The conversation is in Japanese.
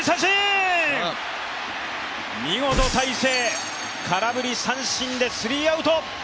見事大勢、空振り三振でスリーアウト。